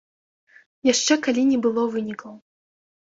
Яшчэ калі не было вынікаў.